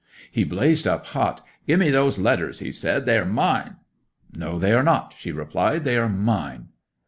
'He blazed up hot. "Give me those letters!" he said. "They are mine!" '"No, they are not," she replied; "they are mine."